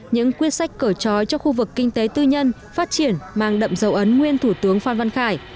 những quyết sách cởi trói cho khu vực kinh tế tư nhân phát triển mang đậm dấu ấn nguyên thủ tướng phan văn khải